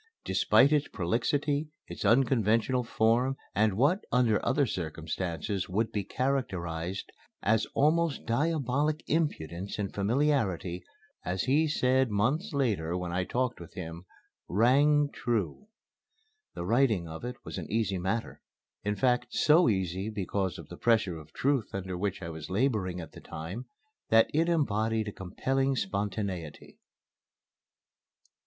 Despite its prolixity, its unconventional form and what, under other circumstances, would be characterized as almost diabolic impudence and familiarity, my letter, as he said months later when I talked with him, "rang true." The writing of it was an easy matter; in fact, so easy, because of the pressure of truth under which I was laboring at the time, that it embodied a compelling spontaneity.